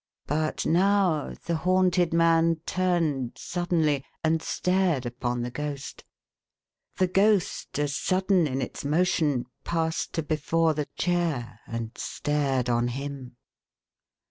But, now, the haunted man turned, sud denly, and stared upon the Ghost. The Ghost, as sudden in its motion, passed to before the chair, and stared on him.